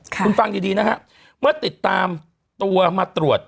คุณฟังดีดีนะฮะเมื่อติดตามตัวมาตรวจ